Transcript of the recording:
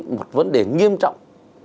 một vấn đề nghiêm trọng